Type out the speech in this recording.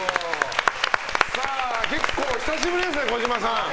結構久しぶりですね、児嶋さん。